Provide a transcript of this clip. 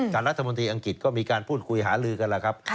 รัฐมนตรีอังกฤษก็มีการพูดคุยหาลือกันแล้วครับ